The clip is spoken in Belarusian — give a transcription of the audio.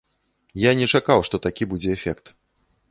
Я не чакаў, што такі будзе эфект.